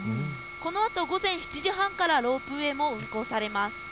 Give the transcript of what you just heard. このあと午前７時半からロープウエーも運行されます。